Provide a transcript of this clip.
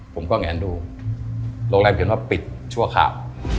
ผมก็แงนดูโรงแรมเขียนว่าปิดชั่วคราว